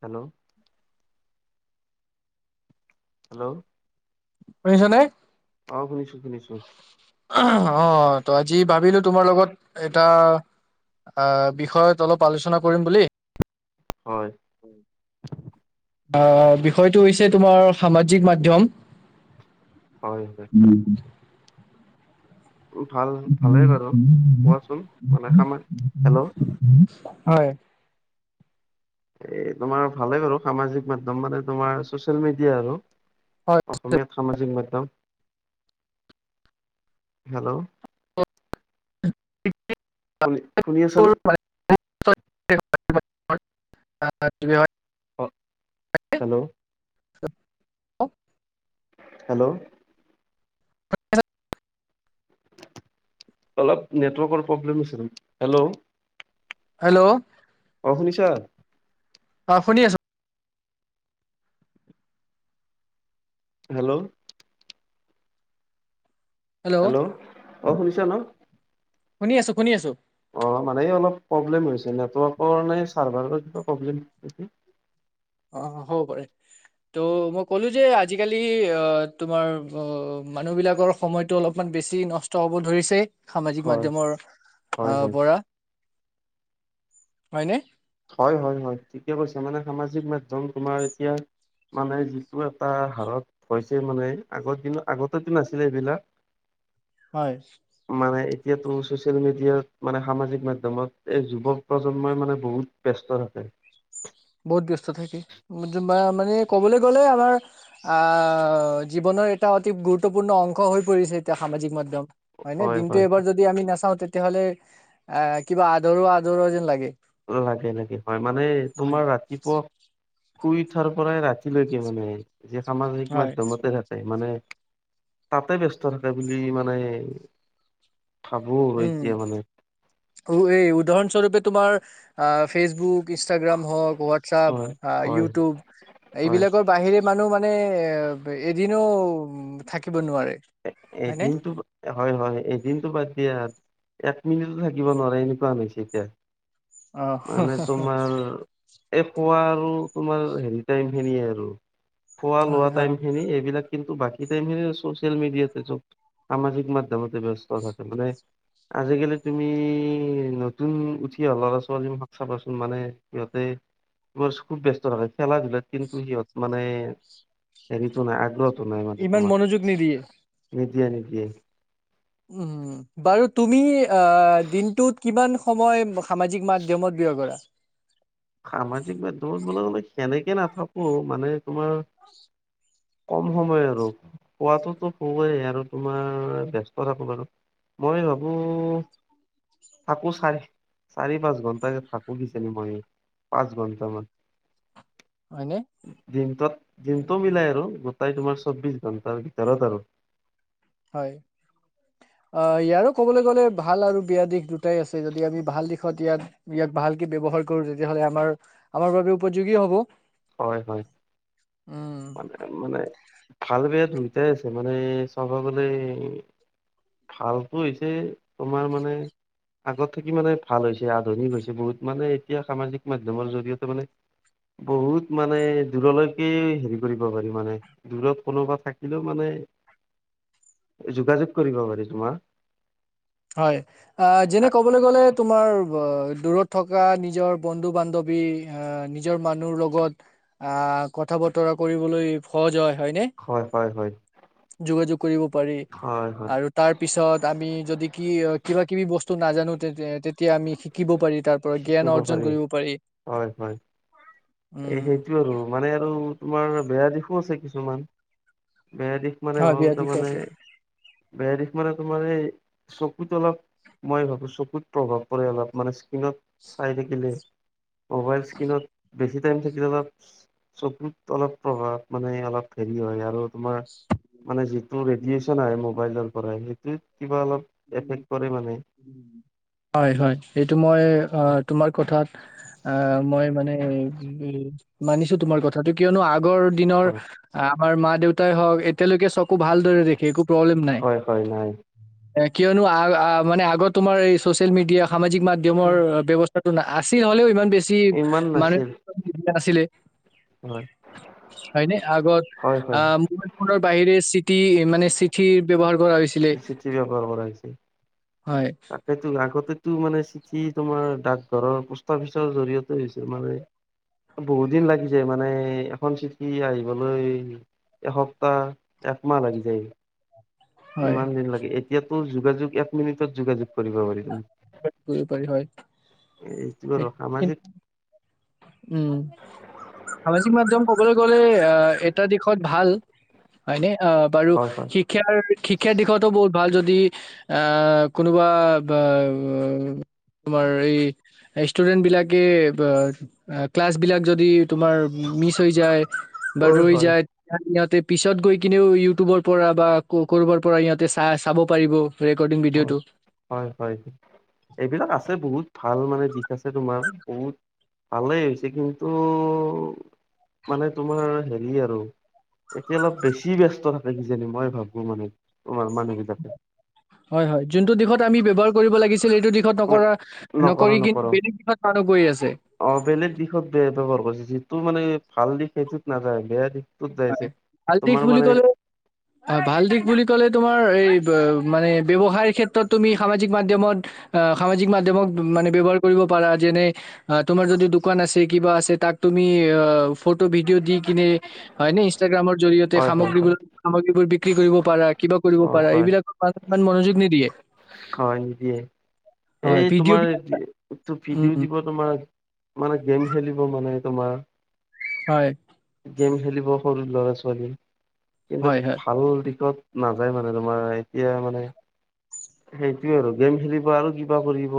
Hello. Hello! শুনিছ নে? আহ শুনিছো শুনিছো। অ', ত' আজি ভাবিলোঁ তোমাৰ লগত এটা আ, বিষয়ত অলপ আলোচনা কৰিম বুলি। হয়। আহ বিষয়টো হৈছে তোমাৰ সামাজিক মাধ্যয়ম। হয় হয় উম। ভাল ভালেই বাৰু কোৱাচোন মানে খামা হেল্ল' হয় এই তোমাৰ ভালে বাৰু, সামাজিক মাধ্যম মানে তোমাৰ চচিয়েল মেডিয়া আৰু হয়। অসমীয়াত সামাজিক মাধ্যম। হেল্ল' শুনি, শুনি আছানে? [inaudible] অ, হেল্ল' [inaudible] হেল্ল' অলপ নেটৱৰ্কৰ প্ৰব্লেম আছিল। হেল্ল'? হেল্ল' অ' শুনিছা? অ' শুনি আছোঁ হেল্ল', হেল্ল', অ, শুনিছ ন? শুনি আছোঁ - শুনি আছোঁ। অ, মানে অলপ প্ৰব্লেম হৈছে নেটৱৰ্কৰ নে চাৰ্ভাৰৰ কিবা প্ৰব্লেম নেকি। অ, হ'ব পাৰে। ত' মই ক'লো যে আজিকালি অ, তোমাৰ অ, মানুহ বিলাকৰ সময়তো অলপমান বেছি নষ্ট হব ধৰিছে। সামাজিক হয় মাধ্যমৰ হয় আহ হয় পৰা হয়নে? হয়-হয়-হয় ঠিকে কৈছে মানে সামাজিক মাধ্যম তোমাৰ এতিয়া মানে যিটো এটা হাৰত হৈছে মানে আগৰ দিন আগতেতো নাছিলে এইবিলাক হয়। মানে এতিয়াতো চচিয়েল মিডিয়াত মানে সামাজিক মাধ্যমত এই যুৱ প্ৰজন্মই মানে বহুত ব্যস্ত থাকে। বহুত ব্যস্ত থাকে মানে ক'বলৈ গ'লে আমাৰ আহ, জীৱনৰ এটা অতি গুৰুত্বপূৰ্ণ অংশ হৈ পৰিছে। এতিয়া সামাজিক মাধ্যম। হয় নে দিনটো এবাৰ যদি আমি নাচাও তেতিয়াহ'লে আহ কিবা আধৰুৱা-আধৰুৱা যেন লাগে। লাগে-লাগে হয় মানে হয় তোমাৰ ৰাতিপুৱা শুই উঠাৰ পৰাই ৰাতিলৈকে মানে যে সামাজিক হয় মাধ্যমতে থাকে মানে তাতে ব্যস্ত থাকে বুলি মানে ভাবো আৰু উম এতিয়া মানে - উম এই উদাহৰণস্বৰূপে তোমাৰ আহ ফেচবুক ইনষ্টাগ্ৰাম হওক হোৱাটছপ, হয় হয় হয় ইউটিউব হয় এইবিলাকৰ বাহিৰে মানুহ মানে এ এদিনো উম, থাকিব নোৱাৰে। হয়নে এদিনটো হয় - হয় এদিনতটো বাদ দিয়া এক মিনিট থাকিব নোৱাৰে এনেকুৱা হৈছে এতিয়া অ মানে তোমাৰ এহ শুৱা ত' তোমাৰ হেৰি টাইমখিনিয়ে আৰু খোৱা হয় লোৱা অ টাইমখিনি এইবিলাক কিন্তু বাকী টাইমখিনি চোচিয়েল মিডিয়াতে চব, সামাজিক মাধ্যমতে ব্যস্ত থাকে মানে আজিকালি তুমি নতুন উঠি অহা ল'ৰা ছোৱালীমখাক চাবাচোন মানে সিহঁতে ৰ খুব ব্যস্ত থাকে খেলা- ধূলাত কিন্তু সিহঁতৰ মানে হেৰিতো নাই আগ্ৰহটো নাই মানে ইমান তোমাৰ মনোযোগ নিদিয়ে নিদিয়ে নিদিয়ে উম বাৰু তুমি আহ দিনটোত কিমান সময় সামাজিক মাধ্যমত ব্যয় কৰা? সামাজিক মাধ্যমত বোলে মানে সেনেকে নাথাকো মানে তোমাৰ হয় কম সময় আৰু শুৱাতোতো শুয়েই আৰু তোমাৰ ব্যস্ত থাকো বাৰু মই ভাবো, থাকোঁ, চাৰি-চাৰি পাঁচ ঘন্টা থাকোঁ বিচনী মাৰি। পাঁচ ঘন্টামান। হয়নে? দিনটোত, দিনটো উম, মিলাই আৰু‌ গো তাই তোমাৰ চৌবিশ ঘণ্টাৰ ভিতৰত আৰু। হয় অ ইয়াৰো কবলৈ গলে ভাল আৰু বেয়া দিশ দুটা। [unintelligible] আছে যদি আমি ভাল দিশ ইয়াত ইয়াক ভালকে ব্যৱহাৰ কৰো তেতিয়াহ'লে আমাৰ আমাৰ বাবে উপযোগী হব হয়, হয়, উম, মানে, মানে। ভাল, বেয়া দুইটাই আছে মানে চাব গ'লে ভালতো হৈছে তোমাৰ মানে আগত থাকি মানে ভাল হৈছে, আধুনিক হৈছে বহুত মানে এতিয়া সামাজিক মাধ্যমৰ জৰিয়তে মানে। বহুত মানে দূৰলৈকে হেৰি কৰিব পাৰি মানে দূৰত কোনোবা থাকিলেও মানে [inaudible] যোগাযোগ কৰিব পাৰি তোমাৰ হয়, আ, যেনে ক'বলৈ গ'লে তোমাৰ দূৰত থকা নিজৰ বন্ধু বান্ধৱী আহ নিজৰ মানুহ লগত আহ কথা। বতৰা কৰিবলৈ সহজ হয়। হয়নে? হয় হয় হয় যোগাযোগ কৰিব পাৰি হয় হয় আৰু তাৰ পিছত আমি যদি কি কিবা কিবি বস্তু নাজানোঁ, তে-তেতিয়া আমি শিকিব পাৰি। তাৰ পৰা জ্ঞান শিকিব অৰ্জন কৰিব পাৰি এ উম সেইটো আৰু মানে আৰু তোমাৰ বেয়া দিশো আছে কিছুমান। বেয়া দিশ মানে হয় হ'ল, বিৰাট বিষয় তাৰমানে আছে বেয়া দিশ মানে তোমাৰ এই চকুত অলপ, মই ভাবোঁ চকুত প্ৰভাৱ পৰে অলপ মানে স্কিনত চাই থাকিলে, মোবাইল স্কিনত বেছি থাকিলে অলপ চকুত অলপ প্ৰভাৱ মানে অলপ হেৰি হয়, আৰু তোমাৰ মানে যিটো ৰেডিয়েচন আহে মোবাইলৰ পৰা সেইটোত কিবা অলপ এফেক্ট কৰে মানে। হয়, হয়, এইটো মই অ তোমাৰ কথাত অ', মই মানে মানিছোঁ তোমাৰ কথাটো কিয়নো, আগৰ দিনৰ আমাৰ মা, দেউতাই হওঁক, এতিয়ালৈকে চকু ভালদৰে দেখে‌ একো প্ৰব্লেম নাই হয়, হয়, নাই। এ, কিয়নো আ, আ, মানে আগত তোমাৰ এই চচিয়েল মিডিয়া সামাজিক মাধ্যমৰ ব্যৱস্থাটো না আছিল হ'লেও ইমান বেছি ইমান মানে নাছিল [inaudible] আছিলে। হয় হয় ন আগৰ হয় আ হয় মবাইল ফোনৰ বাহিৰে চিটি, মানে চিঠি ব্যৱহাৰ কৰা হৈছিলে। চিঠি ব্যৱহাৰ কৰা হৈছে। হয়, তাকেতো আগতেতো মানে চিঠ কি তোমাৰ ডাকঘৰৰ পোষ্ট অফিচৰ জৰিয়তে হৈছিল মানে। বহুত দিন লাগিছে মানে এখন চিটি আহিবলৈ। এসপ্তাহ একমাহ লাগি যায় হয়। ইমান দিন লাগে এতিয়াতো যোগাযোগ এক মিনিটত যোগাযোগ কৰিব পাৰি তুমি হয় পপ হয় এইটো আৰু সেইটো কি সামাজিক উম, সামাজিক মাধ্যম ক'বলৈ গ'লে অ, এটা দিশত ভাল, হয়নে? অ', বাৰু হয় হয় শিক্ষাৰ, শিক্ষাৰ দিশতো বহুত ভাল যদি আহ, কোনোবা বা, তোমাৰ এই ৰেষ্টুৰেণ্টবিলাকে বা ক্লাছ বিলাক যদি তোমাৰ মিচ হৈ যায় বা হয় ৰৈ হয় যায় তা পিছত গৈ কিনেও ইউটিউবৰ পৰা বা ক'ৰবাৰ পৰা ইিহঁতে চ চাব পাৰিব ৰেকৰ্ডিং ভিডিঅ'টো। হয় হয় এইবিলাক আছে বহুত ভাল মানে ঠিক আছে তোমাৰ বহুত, ভালেই হৈছে কিন্তু মানে তোমাৰ হেৰি আৰু। এতিয়া অলপ বেছি ব্যস্ত থাকে কিজানি মই ভাবো মানে তোমাৰ মানুহবিলাকে হয় যোনটো দিশত আমি ব্যৱহাৰ কৰিব লাগিছিল ছিল এইটো দিশত নকৰা নকৰ নকৰি কিন্তু নকৰ বেলেগ দিশত মানুহ গৈ আছে। অ বেলেগ দিশত বেয়া ব্যৱহাৰ কৰিছে যিটো মানে ভাল দিশ সেইটোত নাযায় বেয়া দিশ হয়, ভাল দিশ বুলি কলে হয়, ভাল দিশ বুলি ক'লে তোমাৰ এই ম ম যেনে তোমাৰ যদি দোকান আছে কিবা আছে তাক তুমি ফটো ভিডিঅ দি কিনে হয়নে ইনষ্টাগ্ৰামৰ জৰিয়তে হয় হয় সামগ্ৰীবোৰ হয় সামগ্ৰীবোৰ বিক্ৰী কৰিব পাৰা কিবা কৰিব হয় পাৰা হয় এইবিলাকৰ ইমান মনোযোগ নিদিয়ে হয় নিদিয়ে। হয় এই ভিডিঅ' তোমাৰ বিলাক এইটো উম ভিডিঅ' উম, দিব তোমাৰ মানে গেম খেলিব মানে তোমাৰ হয় গেম খেলিব সৰু ল'ৰা ছোৱালী কিন্তু হয় হয় ভাল দিশত নাযায় মানে তোমাৰ এতিয়া মানে। সেইটোয়ে আৰু গেম খেলিব আৰু কিবা কৰিব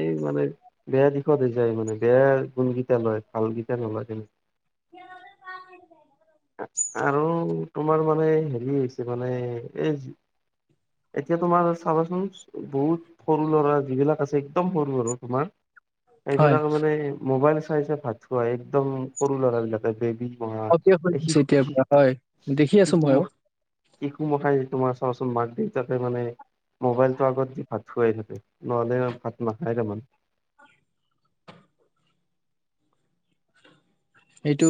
এই মানে বেয়া দিশত হৈ যায় মানে। বেয়া গুণগীটা লয় ভাল গেইটা নলয় তেনে [inaudible] আৰু তোমাৰ মানে হেৰি হৈছে মানে এই এতিয়া তোমাৰ চাবাচোন বহুত সৰু ল'ৰা যিবিলাক আছে একদম সৰু সৰু তোমাৰ হয় এইবিলাক মানে মোবাইল চাই চাই ভাত খোৱাাই একদম সৰু ল'ৰাবলাকে বেবী সক্ৰিয় হৈ শিশু গৈছে এতিয়াৰ পৰা হয় দেখি আছো শিশু, মইও মহ শিশু মখাই তোমাৰ চাওচোন মাক দেউতাকে মানে মোবাইলটো আগত দি ভাত খোৱাই থাকে নহ'লে ভাত নাখায় তাৰে। [inaudible] এইটো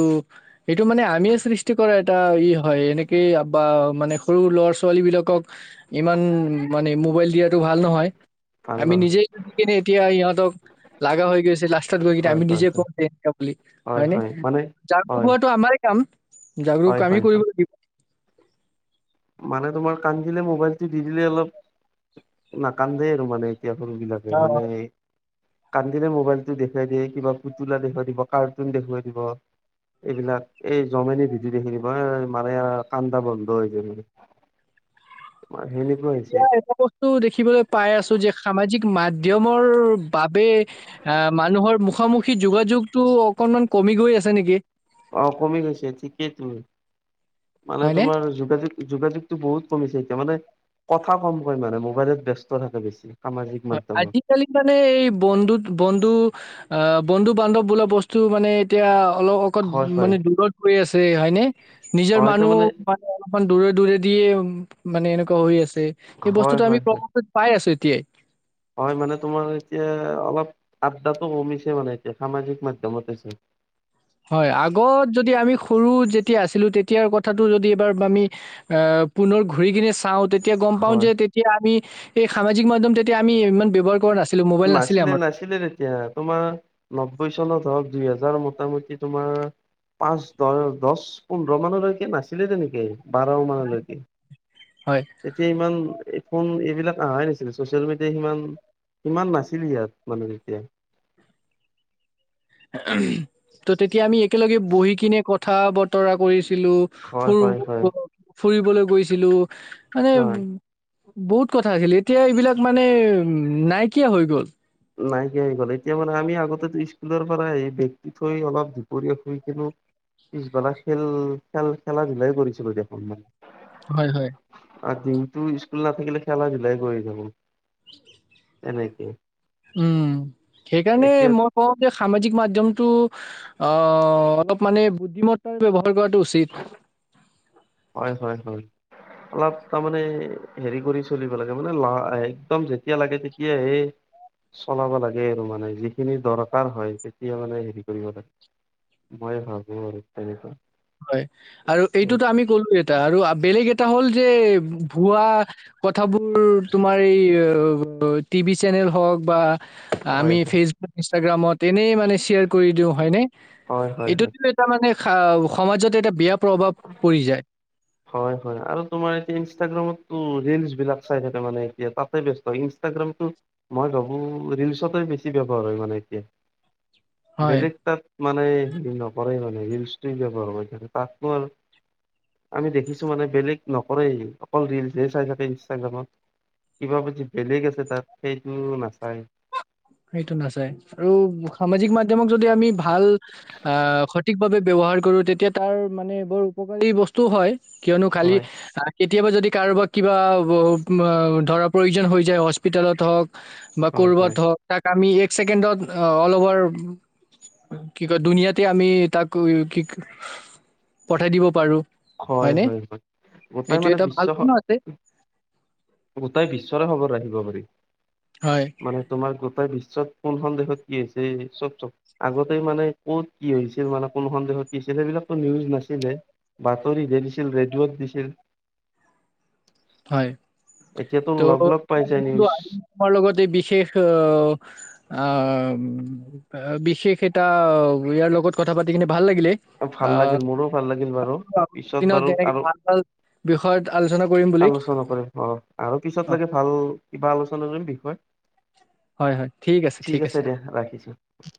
এইটো মানে আমিও সৃষ্টি কৰা এটা ই হয় এনেকে বা মানে সৰু ল'ৰা ছাৱালী বিলাকক ইমান মানে মোবাইল দিয়টো ভাল নহয় ভাল আমি নহয় নিজেই [inaudible] কেনে এতিয়া সিহঁতক লাগা হৈ গৈছে লাষ্টত গৈ কি আি হয় নিজে হয় প বুলিি হয় নাই জাগৰক হোৱাটো আমাৰ কাম হয় জাগৰক আামি হয় হয় কৰিব লাগিব মানে তোমাৰ কান্দিলে মোবাইলটো দি দিলে অলপ নাকান্দে আৰু মানে। [unintelligible] গ বিলাকে অ অ মানে কান্দিৰে মবাইলটো দেখুৱাই দিয়ে কিবা পুতুলা দেখুৱাই দিব কাৰ্ুন দেখুৱাই দিব এইবিলাক এই জমেনি ভিজ দেখিনিব মাৰে কান্দা বন্ধ হৈ যি হৈছে এতিয়া এটা বস্তু দেখিবলৈ পাই আছো যে সামাজিক মাধ্যমৰ বাবে মানুহৰ মুখামুখি যোগাযোগটো অকমান তুমি গৈ আছ নেকি অ', কমি গৈছে ঠিকেই তুমি মানে হয়নে তোমাৰ যোগাযোগ, যোগাযোগটো বহুত কমিছে এতিয়া মানে কথা কমকৈ মানে মোবাইলত ব্যস্ত থাকে বেছি। সামাজিক হয় মাধ্যমত আজিকালি মানে এই বন্ধু, বন্ধু অ বন্ধু বান্ধৱ বোলা বস্তু মানে এতিয়া অলপ অকত হয় হয় মানে দূৰত পৰি আছে তে হয়নে? নিজৰ হয় মানুহ তাৰমানে মানে অলপমান দূৰে, দূৰে দিয়ে ম-মানে এনেকুৱা হৈ আছে। তে এই হয় বস্তুতটো আমি হয় হয় [inaudible] পাই আছোঁ এতিয়াই। হয় মানে তোমাৰ এতিয়া অলপ আড্ডাতটো কমিছে মানে এতিয়া সামাজিক মাধ্যমতেছে [inaudible] হয় আগত যদি আমি সৰু যেতিয়া আছিলো তেতিয়াৰ কথাটো যদি এবাৰ আমি অ'। পুনৰ ঘূৰি কিনে চাওঁ তেতি তেতিয়া গম পাও যে হয় তেতিয়া আমি এই সামাজিক মাধ্্যম তেতিয়া আমি ইমান ব্যয়হাৰ কৰা নাছিল নাছিলে নাছিলে তেতিয়া। তোমাৰ, নব্বৈ চনত হওক দুই হেজাৰ, মোটামোটি তোমাৰ পাঁচ দহ, দচ পোন্ধৰ মানলৈকে নাছিলে তেনেকে, বাৰ মানলৈকে হয়। তেতিয়া ইমান এই ফোন, এইবিলাক আহাই নাছিল চচিয়েল মিডিয়া সিমান ইমান নাছিল ইয়াত। মানে তেতিয়া [inaudible] ত' তেতিয়া আমি একেলগে বহি কিনে কথা- বতৰা কৰিছো। লো হয় ফুৰ হয় হয়। - ফুৰিবলৈ গৈছিলো, মানে হয় বহুত কথা আহিল এতিয়া এইবিলাক মানে উম নাইকিয়া হৈ গ'ল। নাইকিয়া হৈ গ'ল। এতিয়া মানে আমি আগতেতো স্কুলৰ পৰা আহি বেগটো থৈ অলপ দুপৰীয়া শুই কেনে পিছবেলা খেল খেল খেলা ধূলাই কৰিছিলো দেখোন মান হয় হয়। আৰু দিনটো স্কুল নাথাকিলে খেলা-ধুলাই কৰি থাকোঁ। [inaudible] এনেকে। উম, সেইকাৰণে এতিয়া মই কওঁ যে সামাজিক মাধ্যমটো অ', অলপ মানে বুদ্ধিমত্তাৰ ব্যৱহাৰ কৰাটো উচিত। হয় হয় হয়। অলপ তাৰমানে হেৰি কৰি চলিব লাগে। মানে ল হে একদম যেতিয়া লাগে তেতিয় হে চলাব লাগে আৰু মানে যিখিনি দৰকাৰ হয় তেতিয়া মানে হেৰি কৰিব লাগে। মই ভাবোঁ আৰু তেনেকুৱা। হয় আৰু এইটোতো আমি কলো এটা আৰু বেলেগ এটা হ'ল যে ভুৱা কথাবোৰ তোমাৰ এই, টিভি চেনেল হওঁক বা হয় আমি হয় ফেচবুক ইনষ্টাগ্ৰামত এনেই মান শ্বেয়াৰ কৰি দিওঁ হয় নে? হয় হয় হয় এইটোতো এটা মানে সা সমাজত এটা বেয়া মানে প্ৰভাৱ পৰি যায়। হয় হয়। আৰু তোমাৰ এতিয়া ইনষ্টাগ্ৰামতো ৰিলচ বিলাক চাই থাকে মানে এতিয়া। তাতে ব্যস্ত ইন ইনষ্টাগ্ৰামটো মই ভাবো ৰিলচতে বেছি ব্যৱহাৰ হয় মানে এতিয়া। [inaudible] হয়। বেলেগ তাত মানে হেৰি নকৰেই মানে। ৰিলচটো ব্যৱহাৰ কৰি থাকে তাততো আৰু আমি দেখিছো মানে বেলেগ নকৰেই অকল ৰিলচহে চাই থাকে ইনষ্টাগ্ৰামত। কিবা পতি বেলেগ আছে তাত সেইটো নাচায়। সেইটো নাচায়। আৰু সামাজিক মাধ্যমক যদি আমি ভাল আ' সঠিকভাৱে ব্যৱহাৰ ব্যৱহাৰ কৰো তেতিয়া তাৰ মানে বৰ উপকাৰী বস্তুও হয় কিয়নো খালি হয় কেতিয়াবা যদি কাৰোবাক কিবা ব ব ধৰা প্ৰয়োজন হৈ যায়, হস্পিটেলত হওক বা হয় ক'ৰবাত হয় হওঁক তাক আমি এক ছেকেণ্ডত আ অলভাৰ কি কয় দুুনীয়াতে আমি তাক কি পঠাই দিব পাৰো। হয়, হয়নে হয়, হয়। গোটেই এইটো মানে এটা ভাল বিশ্বখ গুণো আছে গোটেই বিশ্বৰে খবৰ ৰাখিব পাৰি। হয় মানে তোমাৰ গোটেই বিশ্ব চব কোনখন দেশত কি হৈছে, চব চব। আগতেই মানে ক'ত কি হৈছিল, মানে কোনখন দেশত কি হৈছিল সেইবিলাকটো নিউজ নাছিলে। বাতৰিতহে দিছিল ৰেডিঅ'ত দিছিল। হয়। এতিয়াতো ত' লগ লগ পাই যায় [unintelligible] নিউজ আজি তোমাৰ লগত এই বিশেষ অহ অ, বিশেষ এটা, ইয়াৰ লগত কথা পাতি কিনে ভাল লাগিলে, ভাল আহ লাগিল মোৰো ভাল লাগিল বাৰু আগৰ পিছত দিনত বাৰু তেনেকে আৰু ভাল ভাল বিষয়ত আলোচনা কৰিম বুলি। আৰু পিছত অ, লাগে ভাল কিবা আলোচনা কৰিম বিষয়। ঠিক আছে দিয়া ৰাখিছো।